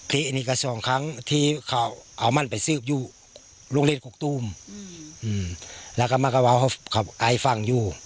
ที่อันนี้ก็สองครั้งที่เขาเอามันไปสืบอยู่โรงเรียนกกตูมแล้วก็มันก็ว่าเขาไอฟังอยู่